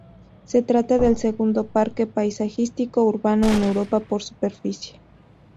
Se trata del segundo parque paisajístico urbano en Europa por superficie.